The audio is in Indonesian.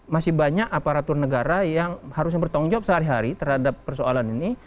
masih banyak aparatur negara yang harusnya bertanggung jawab sehari hari terhadap persoalan ini